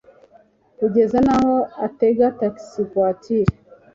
kugeza naho atega taxi voiture